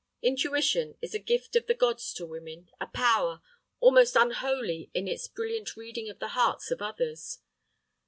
Intuition is a gift of the gods to women, a power—almost unholy in its brilliant reading of the hearts of others.